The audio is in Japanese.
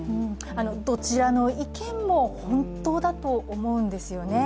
どちらの意見も本当だと思うんですよね。